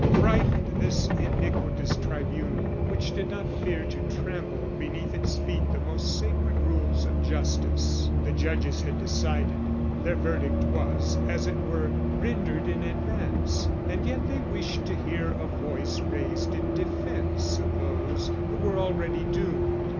frightened this iniquitous tribunal, which did not fear to trample beneath its feet the most sacred rules of justice. The judges had decided; their verdict was, as it were, rendered in advance, and yet they wished to hear a voice raised in defence of those who were already doomed.